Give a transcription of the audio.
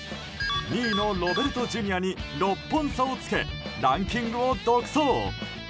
２位のロベルトＪｒ．に６本差をつけランキングを独走。